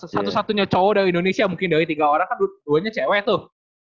satu satunya cowok dari indonesia mungkin dari tiga orang kan duanya cewek tuh